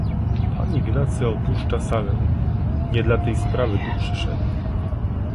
"Pan Ignacy opuszcza salę; nie dla tej sprawy tu przyszedł."